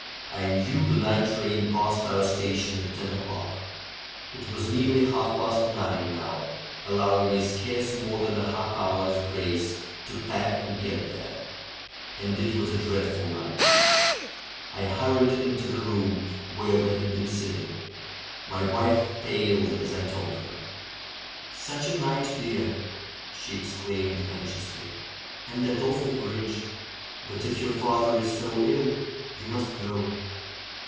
I knew the night train passed our station at ten o'clock. It was nearly half past nine now, allowing me scarce more than a half hour's grace to pack and get there. And it was a dreadful night. I hurried into the room where we had been sitting. My wife paled as I told her. "Such a night, dear !" she exclaimed anxiously. "And that awful bridge ! But if your father is so ill you must go!"